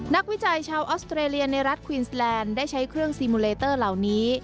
วิจัยชาวออสเตรเลียในรัฐควีนสแลนด์ได้ใช้เครื่องซีมูเลเตอร์เหล่านี้